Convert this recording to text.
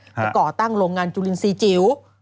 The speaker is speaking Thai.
ก่อตั้งโรงงานจุลินทรีย์จิ๋ว